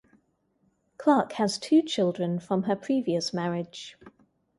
Clark has two children from her previous marriage.